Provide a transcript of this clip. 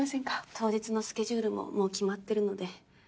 当日のスケジュールももう決まってるので。